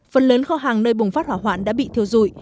phần lớn kho hàng nơi bùng phát hỏa hoạn đã bị thiêu dụi